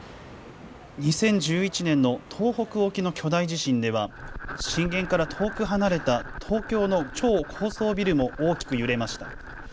２０１１年の東北沖の巨大地震では震源から遠く離れた東京の超高層ビルも大きく揺れました。